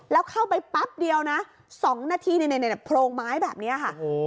แล้วเข้าไปแป๊บเดียวนะ๒นาทีโพรงไม้แบบนี้ค่ะ